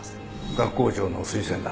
学校長の推薦だ